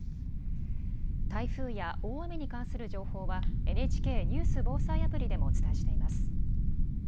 台風や大雨に関する情報は、ＮＨＫニュース・防災アプリでもお伝えしています。